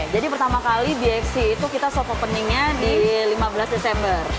jadi pertama kali bxc itu kita shop openingnya di lima belas desember